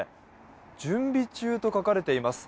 準備中と書かれています。